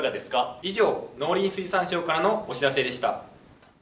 以上農林水産省からのお知らせでした。